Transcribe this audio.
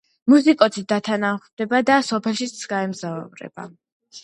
მუსიკოსიც დათანხმდება და სოფელში გაემგზავრება.